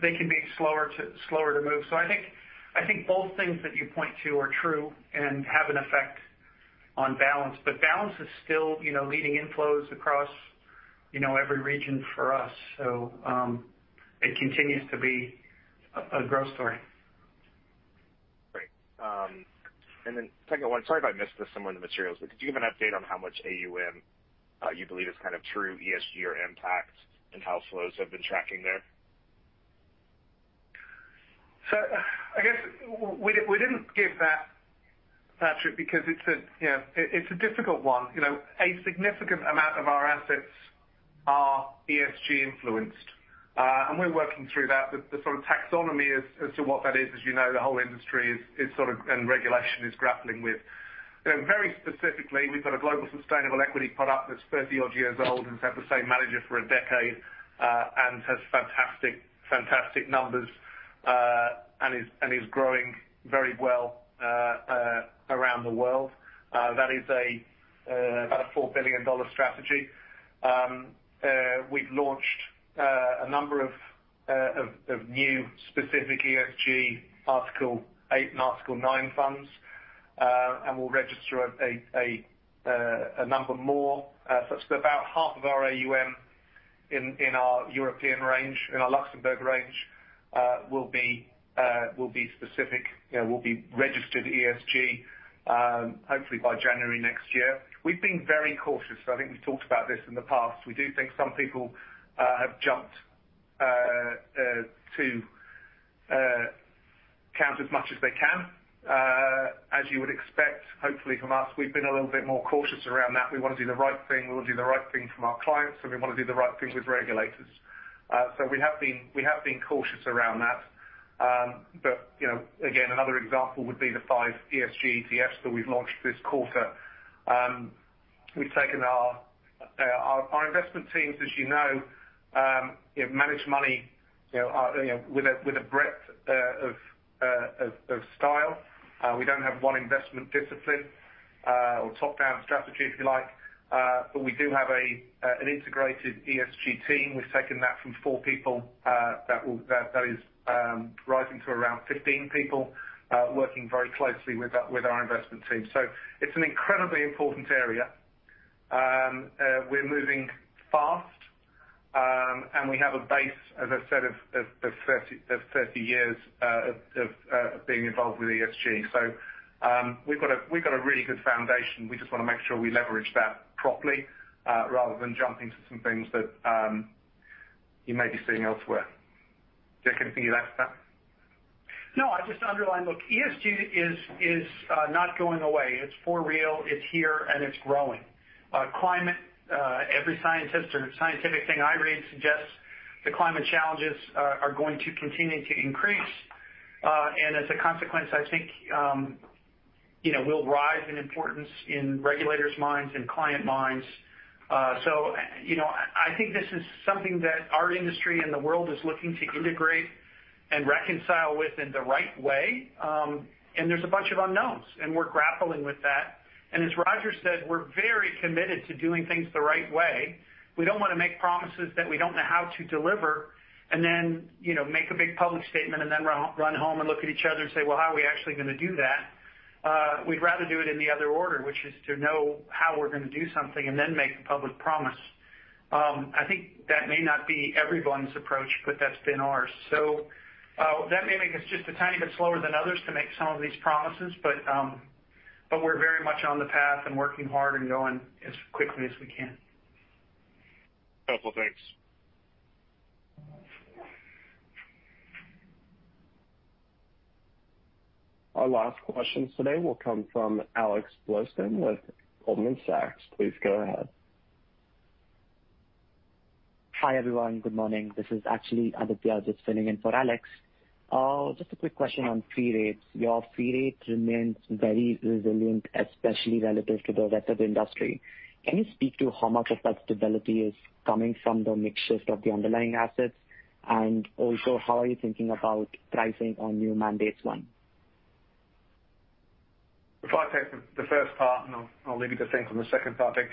They can be slower to move. I think both things that you point to are true and have an effect on balance. Balance is still, you know, leading inflows across, you know, every region for us. It continues to be a growth story. Great. Then second one, sorry if I missed this somewhere in the materials, but could you give an update on how much AUM you believe is kind of true ESG or impact and how flows have been tracking there? I guess we didn't give that, Patrick, because it's a difficult one. A significant amount of our assets are ESG influenced, and we're working through that. The sort of taxonomy as to what that is, as you know, the whole industry is sort of and regulation is grappling with. Very specifically, we've got a global sustainable equity product that's thirty-odd years old and has had the same manager for a decade, and has fantastic numbers, and is growing very well around the world. That is about a $4 billion strategy. We've launched a number of new specific ESG Article Eight and Article Nine funds, and we'll register a number more. About half of our AUM in our European range, in our Luxembourg range, will be specific, you know, will be registered ESG, hopefully by January next year. We've been very cautious. I think we've talked about this in the past. We do think some people have jumped to count as much as they can. As you would expect, hopefully from us, we've been a little bit more cautious around that. We wanna do the right thing, we wanna do the right thing from our clients, and we wanna do the right thing with regulators. We have been cautious around that. You know, again, another example would be the five ESG ETFs that we've launched this quarter. We've taken our Our investment teams, as you know, manage money, you know, you know, with a breadth of style. We don't have one investment discipline or top-down strategy, if you like. We do have an integrated ESG team. We've taken that from four people that is rising to around 15 people, working very closely with our investment team. It's an incredibly important area. We're moving fast, and we have a base, as I said, of 30 years of being involved with ESG. We've got a really good foundation. We just wanna make sure we leverage that properly, rather than jumping to some things that you may be seeing elsewhere. Dick, anything you'd add to that? No, I'd just underline. Look, ESG is not going away. It's for real, it's here, and it's growing. Climate, every scientist or scientific thing I read suggests the climate challenges are going to continue to increase. As a consequence, I think, you know, it will rise in importance in regulators' minds and client minds. You know, I think this is something that our industry and the world is looking to integrate and reconcile with in the right way. There's a bunch of unknowns, and we're grappling with that. As Roger said, we're very committed to doing things the right way. We don't wanna make promises that we don't know how to deliver and then, you know, make a big public statement and then run home and look at each other and say, "Well, how are we actually gonna do that?" We'd rather do it in the other order, which is to know how we're gonna do something and then make the public promise. I think that may not be everyone's approach, but that's been ours. That may make us just a tiny bit slower than others to make some of these promises, but we're very much on the path and working hard and going as quickly as we can. Helpful. Thanks. Our last question today will come from Alex Blostein with Goldman Sachs. Please go ahead. Hi, everyone. Good morning. This is actually Aditya just filling in for Alex. Just a quick question on fee rates. Your fee rate remains very resilient, especially relative to the rest of the industry. Can you speak to how much of that stability is coming from the mix shift of the underlying assets? And also, how are you thinking about pricing on new mandates won? If I take the first part, and I'll leave you to think on the second part, Dick.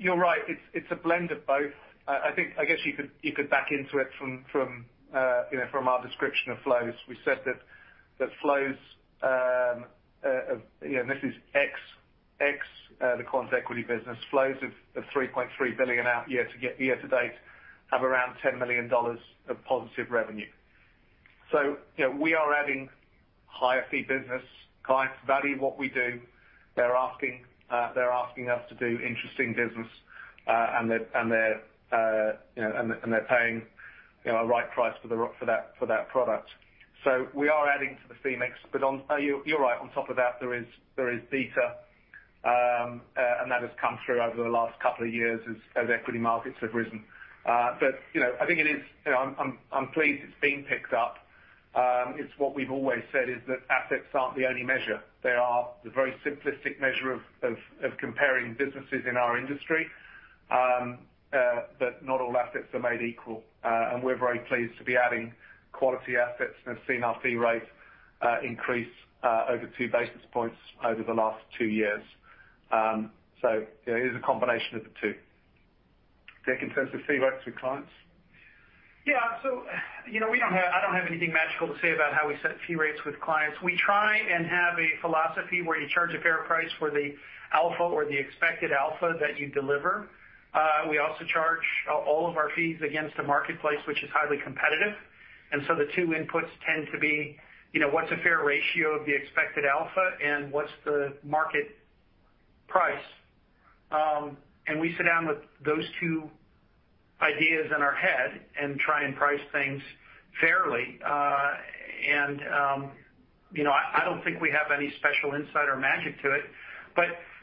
You're right. It's a blend of both. I think I guess you could back into it from you know, from our description of flows. We said that flows you know, this is ex the quant equity business. Flows of $3.3 billion year to date have around $10 million of positive revenue. You know, we are adding higher fee business. Clients value what we do. They're asking us to do interesting business, and they're you know, and they're paying you know, a right price for that product. We are adding to the fee mix. On... You're right. On top of that, there is beta and that has come through over the last couple of years as equity markets have risen. You know, I think it is. You know, I'm pleased it's been picked up. It's what we've always said, is that assets aren't the only measure. They are the very simplistic measure of comparing businesses in our industry. Not all assets are made equal. We're very pleased to be adding quality assets and have seen our fee rate increase over 2 basis points over the last two years. You know, it is a combination of the two. Dick, in terms of fee rates with clients. I don't have anything magical to say about how we set fee rates with clients. We try and have a philosophy where you charge a fair price for the alpha or the expected alpha that you deliver. We also charge all of our fees against a marketplace which is highly competitive. The two inputs tend to be, you know, what's a fair ratio of the expected alpha, and what's the market price? We sit down with those two ideas in our head and try and price things fairly. You know, I don't think we have any special insight or magic to it.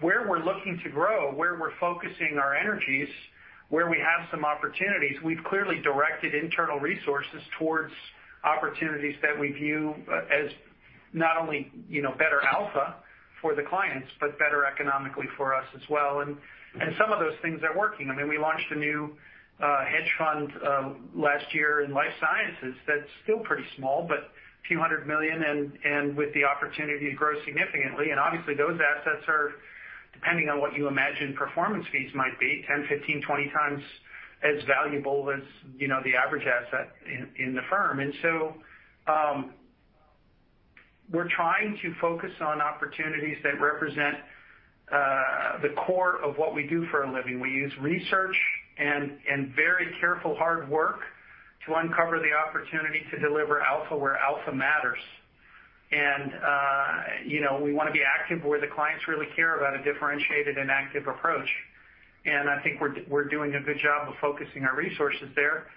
Where we're looking to grow, where we're focusing our energies, where we have some opportunities, we've clearly directed internal resources towards opportunities that we view as not only, you know, better alpha for the clients but better economically for us as well. Some of those things are working. I mean, we launched a new hedge fund last year in life sciences that's still pretty small, but $ a few hundred million and with the opportunity to grow significantly. Obviously, those assets are depending on what you imagine performance fees might be, 10, 15, 20 times as valuable as, you know, the average asset in the firm. We're trying to focus on opportunities that represent the core of what we do for a living. We use research and very careful hard work to uncover the opportunity to deliver alpha where alpha matters. You know, we wanna be active where the clients really care about a differentiated and active approach. I think we're doing a good job of focusing our resources there.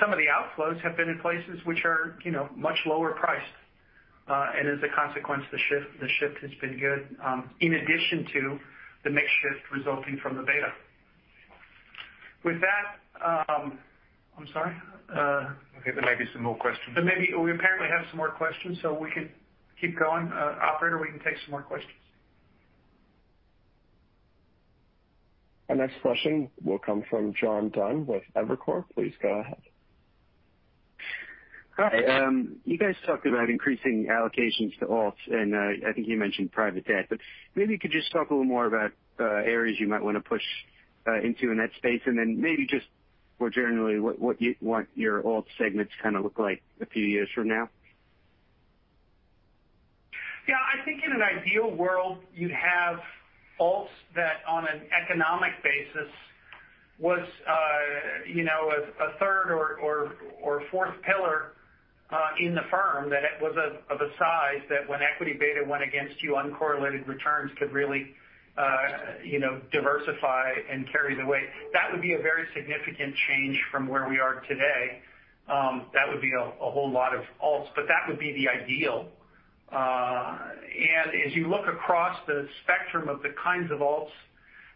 Some of the outflows have been in places which are, you know, much lower priced. As a consequence, the shift has been good in addition to the mix shift resulting from the beta. With that, I'm sorry? I think there may be some more questions. There may be. We apparently have some more questions, so we could keep going. Operator, we can take some more questions. Our next question will come from John Dunn with Evercore. Please go ahead. Hi. You guys talked about increasing allocations to alts, and I think you mentioned private debt, but maybe you could just talk a little more about areas you might wanna push into in that space. Then maybe just more generally, what you want your alt segments kinda look like a few years from now. Yeah. I think in an ideal world, you'd have alts that on an economic basis was a third or fourth pillar in the firm, that it was of a size that when equity beta went against you, uncorrelated returns could really you know, diversify and carry the weight. That would be a very significant change from where we are today. That would be a whole lot of alts, but that would be the ideal. As you look across the spectrum of the kinds of alts,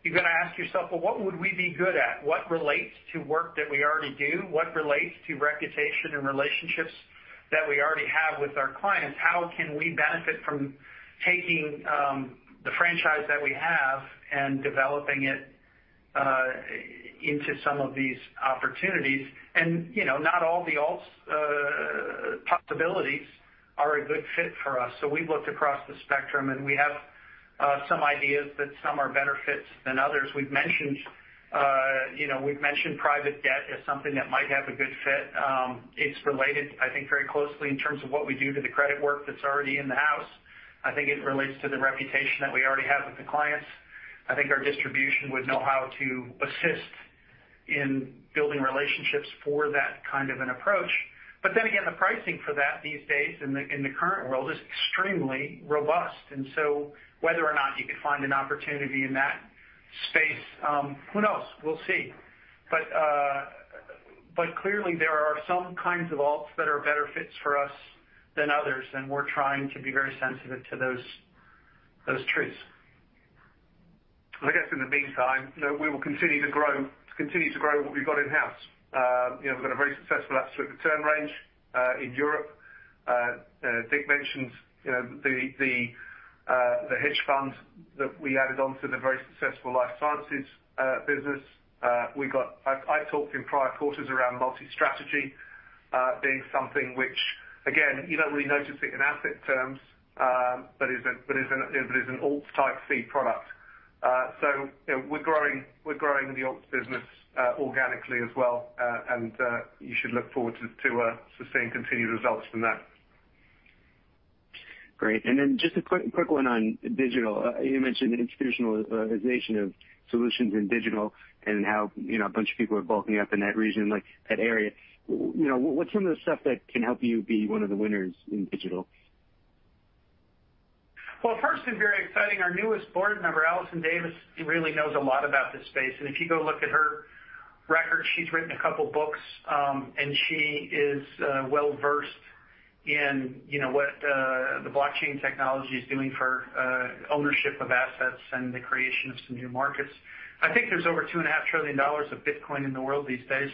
you've gotta ask yourself, "Well, what would we be good at? What relates to work that we already do? What relates to reputation and relationships that we already have with our clients? How can we benefit from taking the franchise that we have and developing it into some of these opportunities?" You know, not all the alts possibilities are a good fit for us. We've looked across the spectrum, and we have some ideas that some are better fits than others. We've mentioned, you know, private debt as something that might have a good fit. It's related, I think, very closely in terms of what we do to the credit work that's already in the house. I think it relates to the reputation that we already have with the clients. I think our distribution would know how to assist in building relationships for that kind of an approach. Then again, the pricing for that these days in the current world is extremely robust. Whether or not you could find an opportunity in that space, who knows? We'll see. Clearly, there are some kinds of alts that are better fits for us than others, and we're trying to be very sensitive to those truths. I guess in the meantime, you know, we will continue to grow what we've got in-house. You know, we've got a very successful absolute return range in Europe. Dick mentioned, you know, the hedge fund that we added on to the very successful life sciences business. I've talked in prior quarters around multi-strategy being something which again, you don't really notice it in asset terms, but it is an alt type C product. So, you know, we're growing the alts business organically as well. You should look forward to seeing continued results from that. Great. Then just a quick one on digital. You mentioned institutionalization of solutions in digital and how, you know, a bunch of people are bulking up in that region, like that area. You know, what's some of the stuff that can help you be one of the winners in digital? Well, first and very exciting, our newest board member, Alison Davis, really knows a lot about this space. If you go look at her record, she's written a couple books, and she is well-versed in, you know, what the blockchain technology is doing for ownership of assets and the creation of some new markets. I think there's over $2.5 trillion of Bitcoin in the world these days.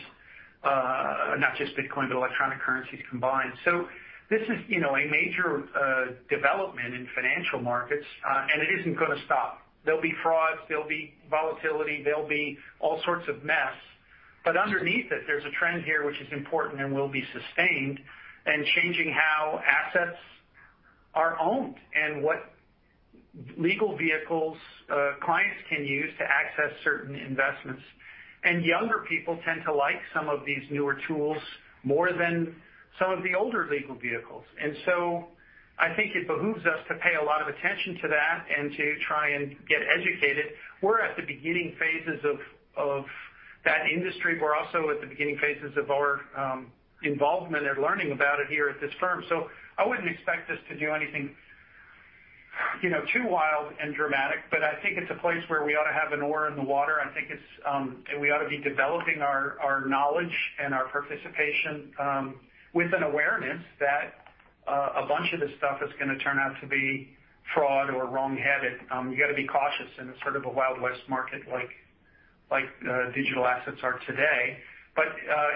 Not just Bitcoin, but electronic currencies combined. This is, you know, a major development in financial markets, and it isn't gonna stop. There'll be frauds, there'll be volatility, there'll be all sorts of mess, but underneath it, there's a trend here which is important and will be sustained in changing how assets are owned and what legal vehicles clients can use to access certain investments. Younger people tend to like some of these newer tools more than some of the older legal vehicles. I think it behooves us to pay a lot of attention to that and to try and get educated. We're at the beginning phases of that industry. We're also at the beginning phases of our involvement and learning about it here at this firm. I wouldn't expect us to do anything, you know, too wild and dramatic, but I think it's a place where we ought to have an oar in the water. I think it's and we ought to be developing our knowledge and our participation with an awareness that a bunch of this stuff is gonna turn out to be fraud or wrong-headed. You gotta be cautious in a sort of a Wild West market like digital assets are today.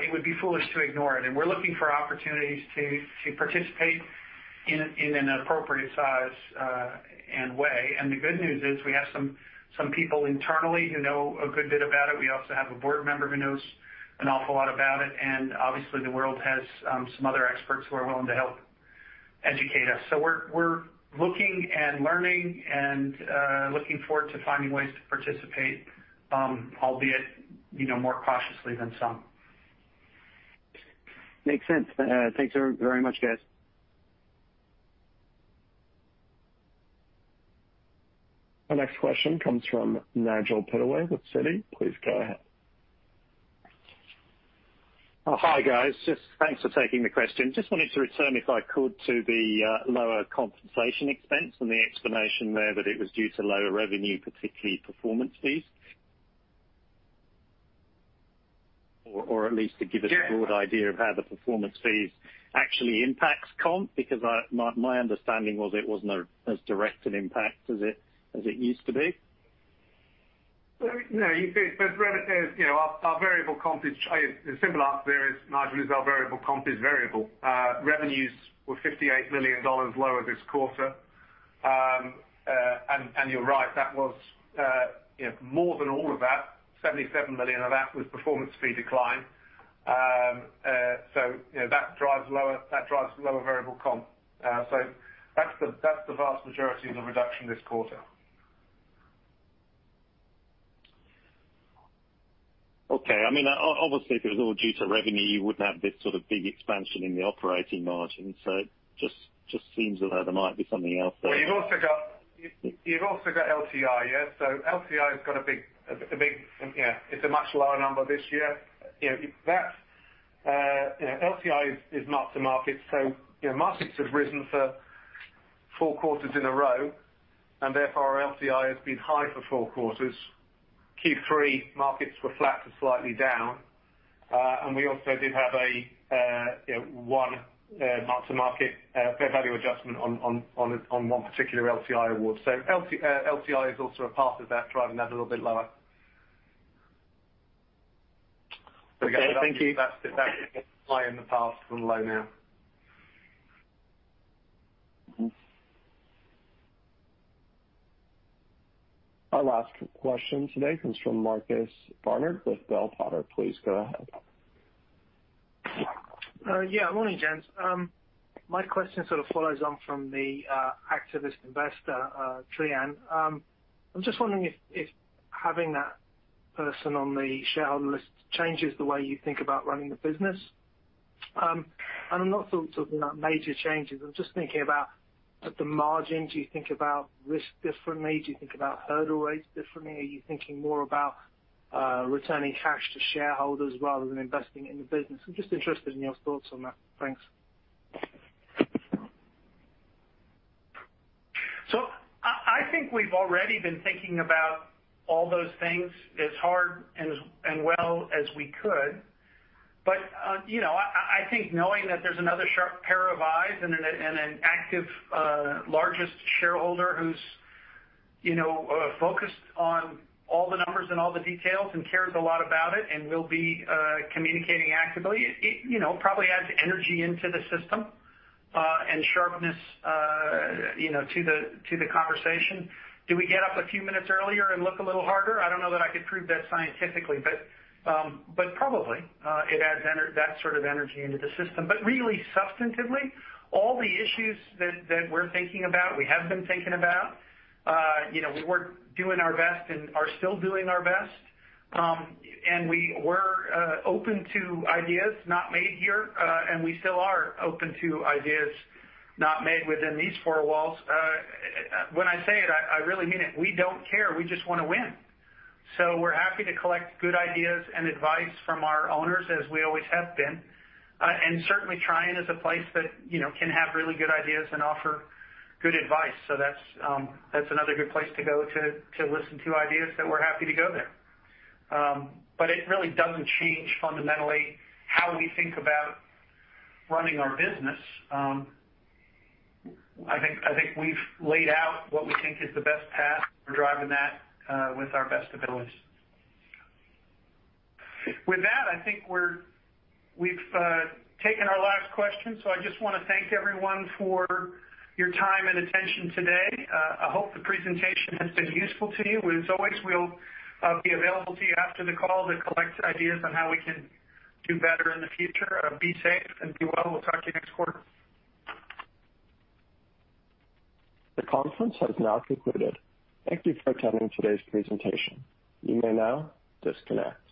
It would be foolish to ignore it. We're looking for opportunities to participate in an appropriate size and way. The good news is we have some people internally who know a good bit about it. We also have a board member who knows an awful lot about it, and obviously, the world has some other experts who are willing to help educate us. We're looking and learning and looking forward to finding ways to participate, albeit, you know, more cautiously than some. Makes sense. Thanks very, very much, guys. Our next question comes from Nigel Pittaway with Citi. Please go ahead. Oh, hi, guys. Just thanks for taking the question. Just wanted to return, if I could, to the lower compensation expense and the explanation there that it was due to lower revenue, particularly performance fees. Or at least to give us. Yeah. a broad idea of how the performance fees actually impact comp, because my understanding was it wasn't as direct an impact as it used to be. Well, no, you see, but you know, our variable comp is. The simple answer there is, Nigel, is our variable comp is variable. Revenues were $58 million lower this quarter. You're right, that was, you know, more than all of that, $77 million of that was performance fee decline. You know, that drives lower variable comp. That's the vast majority of the reduction this quarter. Okay. I mean, obviously, if it was all due to revenue, you wouldn't have this sort of big expansion in the operating margin. It just seems as though there might be something else there. Well, you've also got LTI, yeah. LTI has got a big you know it's a much lower number this year. You know, that's you know LTI is mark-to-market. You know markets have risen for four quarters in a row, and therefore our LTI has been high for four quarters. Q3 markets were flat to slightly down. We also did have a you know one mark-to-market fair value adjustment on one particular LTI award. LTI is also a part of that, driving that a little bit lower. Okay, thank you. Again, that's high in the past and low now. Our last question today comes from Marcus Barnard with Bell Potter Securities. Please go ahead. Yeah, morning, gents. My question sort of follows on from the activist investor, Trian. I'm just wondering if having that person on the shareholder list changes the way you think about running the business. I'm not talking about major changes. I'm just thinking about at the margin. Do you think about risk differently? Do you think about hurdle rates differently? Are you thinking more about returning cash to shareholders rather than investing in the business? I'm just interested in your thoughts on that. Thanks. I think we've already been thinking about all those things as hard and well as we could. You know, I think knowing that there's another sharp pair of eyes and an active largest shareholder who's, you know, focused on all the numbers and all the details and cares a lot about it and will be communicating actively, it, you know, probably adds energy into the system and sharpness, you know, to the conversation. Do we get up a few minutes earlier and look a little harder? I don't know that I could prove that scientifically, but probably it adds that sort of energy into the system. Really substantively, all the issues that we're thinking about, we have been thinking about, you know, we're doing our best and are still doing our best. We were open to ideas not made here. We still are open to ideas not made within these four walls. When I say it, I really mean it. We don't care. We just wanna win. We're happy to collect good ideas and advice from our owners, as we always have been. Certainly Trian is a place that, you know, can have really good ideas and offer good advice. That's another good place to go to listen to ideas, so we're happy to go there. It really doesn't change fundamentally how we think about running our business. I think we've laid out what we think is the best path for driving that with our best abilities. With that, I think we've taken our last question. I just wanna thank everyone for your time and attention today. I hope the presentation has been useful to you. As always, we'll be available to you after the call to collect ideas on how we can do better in the future. Be safe and be well. We'll talk to you next quarter. The conference has now concluded. Thank you for attending today's presentation. You may now disconnect.